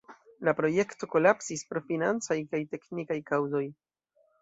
La projekto kolapsis pro financaj kaj teknikaj kaŭzoj.